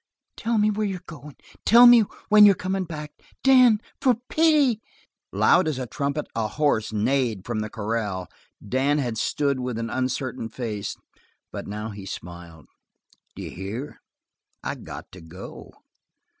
"Tell me where you're going. Tell me when you're coming back. Dan, for pity!" Loud as a trumpet, a horse neighed from the corral. Dan had stood with an uncertain face, but now he smiled. "D'you hear? I got to go!"